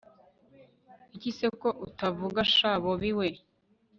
iki se ko utavuga sha bobi we!